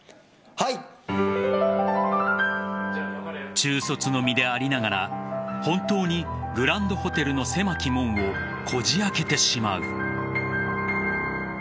中卒の身でありながら本当にグランドホテルの狭き門をこじ開けてしまう。